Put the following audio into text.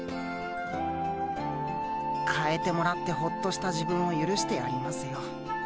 代えてもらってホッとした自分を許してやりますよ。